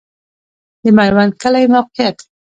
د میوند کلی موقعیت